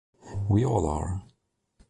We all are.